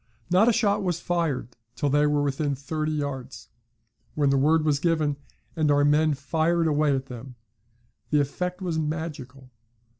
Not a shot was fired till they were within thirty yards, when the word was given, and our men fired away at them. The effect was magical.